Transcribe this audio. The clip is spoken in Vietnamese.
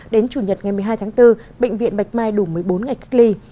đến chủ nhật ngày một mươi hai tháng bốn bệnh viện bạch mai đủ một mươi bốn ngày cách ly